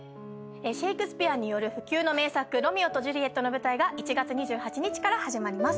シェークスピアによる不朽の名作『ロミオとジュリエット』の舞台が１月２８日から始まります。